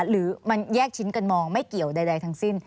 หรือมันแยกชิ้นกันมองไม่เกี่ยวใดทั้งสิ้น